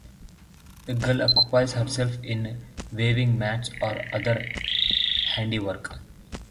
The girl occupies herself in weaving mats or other handiwork.